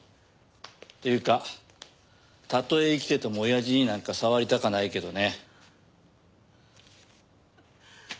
っていうかたとえ生きてても親父になんか触りたかないけどね。